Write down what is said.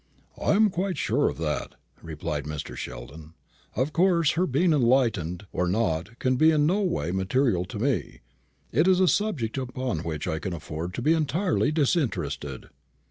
"I am quite sure of that," replied Mr. Sheldon. "Of course her being enlightened or not can be in no way material to me. It is a subject upon which I can afford to be entirely disinterested."